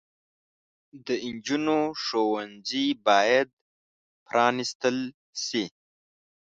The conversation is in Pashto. د انجونو ښوونځي بايد پرانستل شي